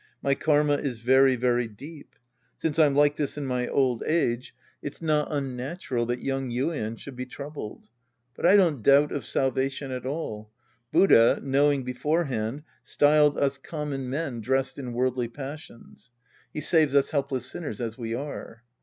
My karma is very very deep. Since I'm like this in my old age, it's Act 11 The Priest and His Disciples 81 not unnatural that young Yuien should be troubled. But I don't doubt of salvation at all. Buddha, know ing beforehand, styled us common men dressed in worldly passions. He saves us helpless sinners as we are.